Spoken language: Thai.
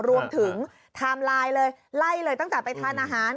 ไทม์ไลน์เลยไล่เลยตั้งแต่ไปทานอาหาร